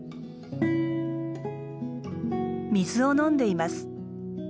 水を飲んでいます。